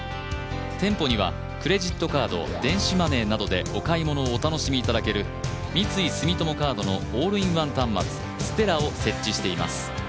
店舗にはクレジットカード電子マネーなどでお買い物をお楽しみいただける三井住友カードのオールインワン端末ステラを設置しています。